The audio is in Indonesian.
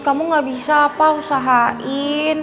kamu gak bisa apa usahain